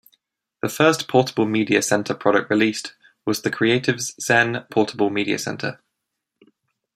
The first Portable Media Center product released was the Creative's Zen Portable Media Center.